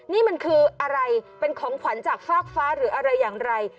นี่มันคืออะไรเป็นของขวัญจากฟากฟ้าหรืออะไรอย่างไร